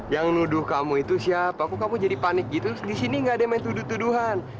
yang nuduh kamu itu siapa aku kamu jadi panik gitu terus disini gak ada yang tuduh tuduhan